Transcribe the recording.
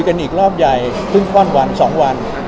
กันอีกรอบใหญ่ถึงค่อนวัน๒วัน